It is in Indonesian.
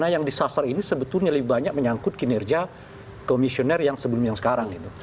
yang disasar ini sebetulnya lebih banyak menyangkut kinerja komisioner yang sebelumnya sekarang